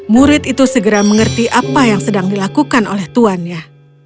murid itu segera mengerti apa yang sedang dilakukan oleh tuannya